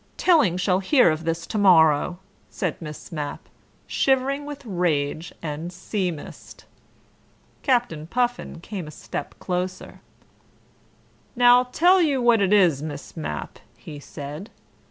"Tilling shall hear of this to morrow," said Miss Mapp, shivering with rage and sea mist. Captain Puffin came a step closer. "Now I'll tell you what it is, Miss Mapp," he said.